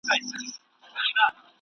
د نامردو ګوزارونه وار په وار سي